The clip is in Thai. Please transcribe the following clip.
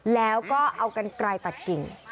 แล้วก็เอากันไกลตัดกิ่ง